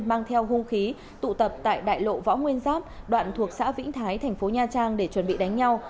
mang theo hung khí tụ tập tại đại lộ võ nguyên giáp đoạn thuộc xã vĩnh thái thành phố nha trang để chuẩn bị đánh nhau